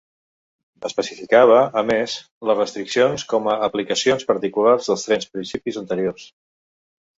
Especificava, a més, les restriccions com a aplicacions particulars dels tres principis anteriors.